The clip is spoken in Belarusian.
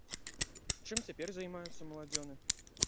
Чым цяпер займаюцца маладзёны?